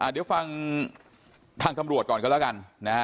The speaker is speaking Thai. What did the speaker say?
เดี๋ยวฟังทางตำรวจก่อนกันแล้วกันนะฮะ